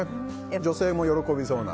女性も喜びそうな。